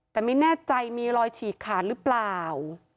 แต่ไม่แน่ใจมีรอยฉีกขาดหรือเปล่า